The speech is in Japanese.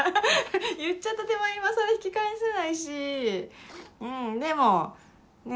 言っちゃった手前今更引き返せないしでもねえ